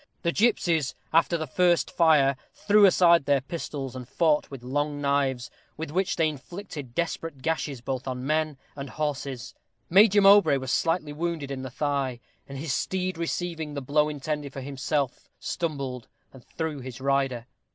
The gipsies, after the first fire, threw aside their pistols, and fought with long knives, with which they inflicted desperate gashes, both on men and horses. Major Mowbray was slightly wounded in the thigh, and his steed receiving the blow intended for himself, stumbled and threw his rider.